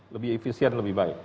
lebih efisien lebih baik